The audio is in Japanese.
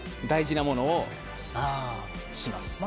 大事なものをします。